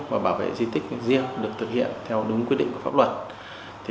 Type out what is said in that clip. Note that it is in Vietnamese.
và bảo vệ di tích riêng được thực hiện theo đúng quy định của pháp luật